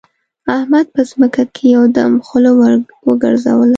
احمد په محکمه کې یو دم خوله وګرځوله.